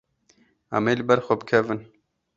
Em ê li ber xwe bikevin.